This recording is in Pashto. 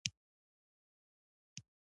ځنګلونه د افغانستان د جغرافیوي تنوع مثال دی.